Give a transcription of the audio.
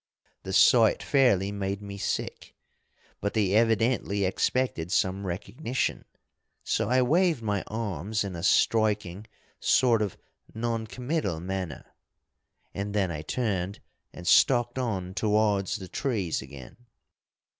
The sight fairly made me sick. But they evidently expected some recognition, so I waved my arms in a striking sort of non committal manner. And then I turned and stalked on towards the trees again.